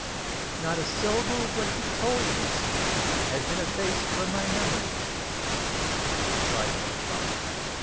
"Not a syllable of what you told me, sir, has been effaced from my memory," replied Morcar.